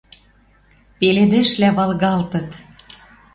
Пеледӹшлӓ валгалтыт.